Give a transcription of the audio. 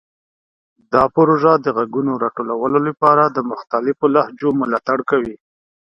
دا پروژه د غږونو د راټولولو لپاره د مختلفو لهجو ملاتړ کوي.